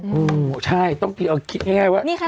อืมใช่ต้องกินเอาง่ายว่ากินกว่าใหญ่